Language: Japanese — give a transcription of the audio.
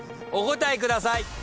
お答えください。